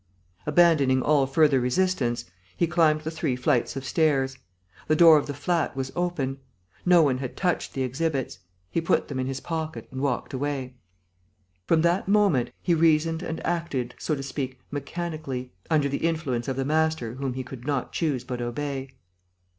Abandoning all further resistance, he climbed the three flights of stairs. The door of the flat was open. No one had touched the exhibits. He put them in his pocket and walked away. From that moment, he reasoned and acted, so to speak, mechanically, under the influence of the master whom he could not choose but obey.